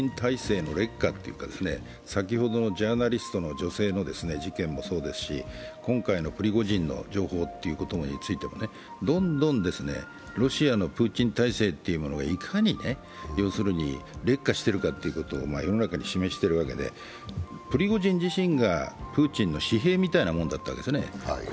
プーチン体制の劣化というか、先ほどの女性ジャーナリストの事件もそうですし、今回のプリゴジンの情報ってことについてもどんどんロシアのプーチン政権っていうのがいかに劣化しているかということを世の中に示しているわけでプリゴジン自身がプーチンの私兵みたいなもんだったんですね。